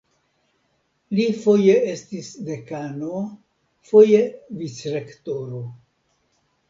Li foje estis dekano, foje vicrektoro.